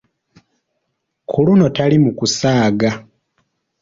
Ku luno tali mu kusaaga.